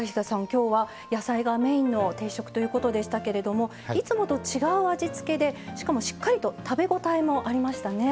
今日は野菜がメインの定食ということでしたけれどもいつもと違う味付けでしかもしっかりと食べ応えもありましたね。